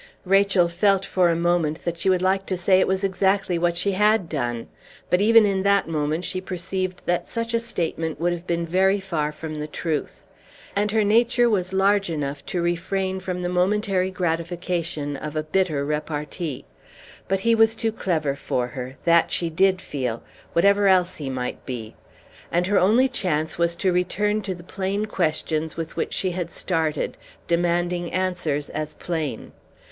Rachel felt for a moment that she would like to say it was exactly what she had done; but even in that moment she perceived that such a statement would have been very far from the truth. And her nature was large enough to refrain from the momentary gratification of a bitter repartee. But he was too clever for her; that she did feel, whatever else he might be; and her only chance was to return to the plain questions with which she had started, demanding answers as plain.